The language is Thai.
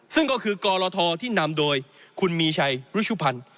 ซึ่งก็คือกรทที่นำโดยคุณมีชัยรุชุพันธ์